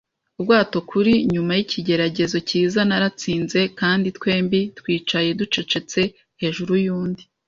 ubwato kuri; nyuma yikigeragezo cyiza naratsinze, kandi twembi twicaye ducecetse hejuru yundi